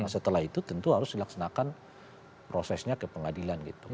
setelah itu tentu harus dilaksanakan prosesnya ke pengadilan gitu